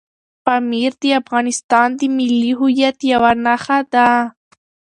پامیر د افغانستان د ملي هویت یوه نښه ده.